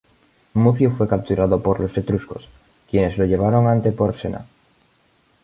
Mucio fue capturado por los etruscos, quienes lo llevaron ante Porsena.